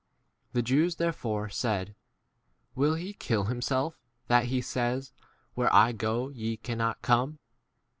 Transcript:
2 The Jews therefore said, Will he kill himself, that he says, Where 3 1 ■ go ye " cannot come